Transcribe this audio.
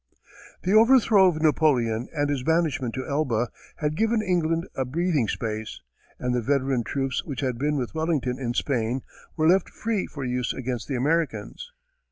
The overthrow of Napoleon and his banishment to Elba had given England a breathing space, and the veteran troops which had been with Wellington in Spain were left free for use against the Americans.